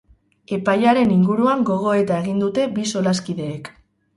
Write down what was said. Epaiaren inguruan gogoeta egin dute bi solaskideek.